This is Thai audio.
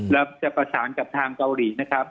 เราจะประสานกับทางเกาหลีนะครับ